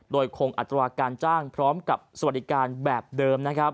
โดยคงอัตราการจ้างพร้อมกับสวัสดิการแบบเดิมนะครับ